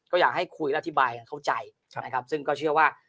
ก็อยากให้คุยและอธิบายกันเข้าใจนะครับซึ่งก็เชื่อว่า